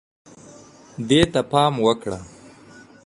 دې ته پام وکړه